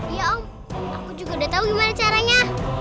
iya om aku juga udah tahu gimana caranya